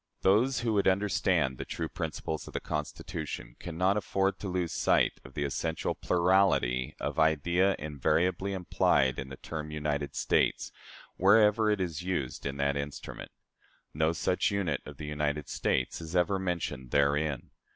Those who would understand the true principles of the Constitution can not afford to lose sight of the essential plurality of idea invariably implied in the term "United States," wherever it is used in that instrument. No such unit as the United States is ever mentioned therein.